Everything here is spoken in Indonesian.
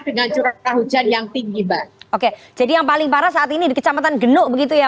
dengan curah hujan yang tinggi mbak oke jadi yang paling parah saat ini di kecamatan genuk begitu ya